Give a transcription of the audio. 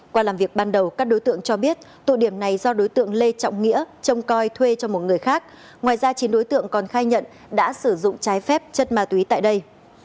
qua làm việc ban đầu các đối tượng cho biết tụ điểm này do đối tượng lê trọng nghĩa trông coi thuê cho một người khác ngoài ra chín đối tượng còn khai nhận đã sử dụng trái phép chất ma túy tại đây